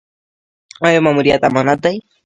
آیا ماموریت امانت دی؟